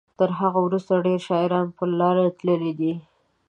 تر هغه وروسته ډیر شاعران پر لاره تللي دي.